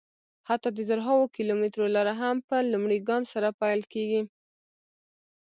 حتی د زرهاوو کیلومترو لاره هم په لومړي ګام سره پیل کېږي.